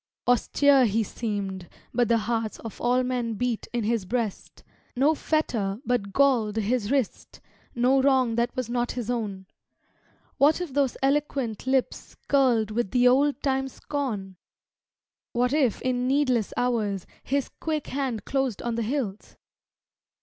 Austere he seemed, but the hearts Of all men beat in his breast; No fetter but galled his wrist, No wrong that was not his own. What if those eloquent lips Curled with the old time scorn? What if in needless hours His quick hand closed on the hilt?